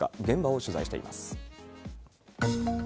現場を取材しています。